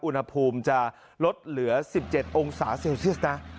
อุณหภูมิจะลดเหลือ๑๗องศาเซลเซียสนะ